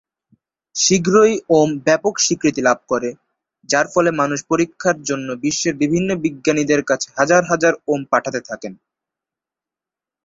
শীঘ্রই ওম ব্যাপক স্বীকৃতি লাভ করে, যার ফলে মানুষ পরীক্ষার জন্য বিশ্বের বিভিন্ন বিজ্ঞানীদের কাছে হাজার হাজার ওম পাঠাতে থাকেন।